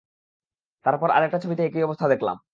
তারপর আরেকটা ছবিতে একই অবস্থা দেখলাম।